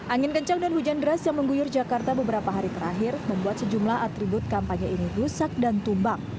angin kencang dan hujan deras yang mengguyur jakarta beberapa hari terakhir membuat sejumlah atribut kampanye ini rusak dan tumbang